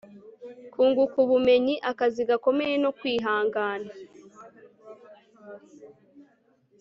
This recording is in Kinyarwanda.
kunguka ubumenyi, akazi gakomeye, no kwihangana